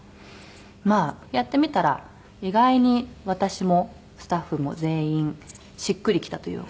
まあやってみたら意外に私もスタッフも全員しっくりきたというか。